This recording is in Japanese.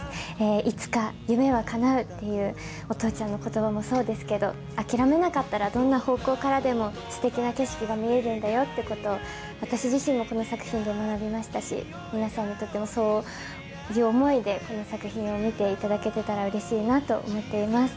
いつか、夢はかなうというお父ちゃんのことばもそうですけど、諦めなかったら、どんな方向からでも、すてきな景色が見えるんだよっていうことを、私自身もこの作品で学びましたし、皆さんにとってもそういう思いで、この作品を見ていただけてたらうれしいなと思っています。